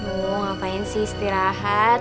aduh ngapain sih istirahat